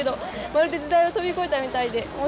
まるで時代を飛び越えたみたいで面白かったです。